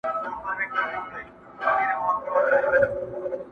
ژمی به تېر سي، مختوري به دېگدان ته پاته سي.